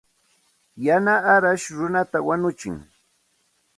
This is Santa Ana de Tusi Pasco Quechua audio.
Yana arash runata wañutsin.